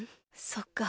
そっか。